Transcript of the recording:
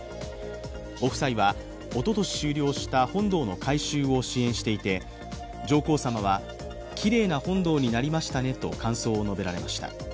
ご夫妻は、おととし終了した本堂の改修を支援していて、上皇さまは、きれいな本堂になりましたねと感想を述べられました。